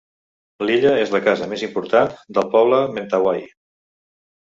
L'illa és la casa més important del poble Mentawai.